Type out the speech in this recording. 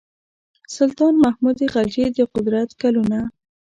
سلطان محمود خلجي د قدرت کلونه.